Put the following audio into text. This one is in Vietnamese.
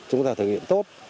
chúng ta thực hiện tốt